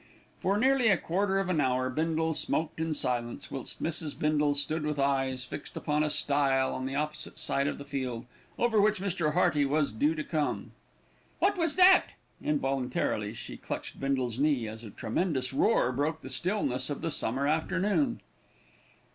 For nearly a quarter of an hour Bindle smoked in silence, whilst Mrs. Bindle stood with eyes fixed upon a stile on the opposite side of the field, over which Mr. Hearty was due to come. "What was that?" Involuntarily she clutched Bindle's knee, as a tremendous roar broke the stillness of the summer afternoon.